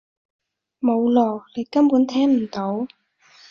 冇囉！你根本聽唔到！